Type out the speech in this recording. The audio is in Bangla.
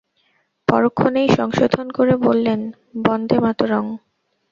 পরক্ষণেই সংশোধন করে বললেন, বন্দে মাতরং!